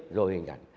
rồi hình ảnh